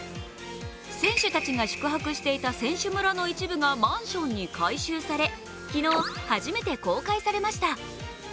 選手たちが宿泊していた選手村の一部がマンションに改修され昨日、初めて公開されました。